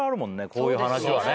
こういう話はね。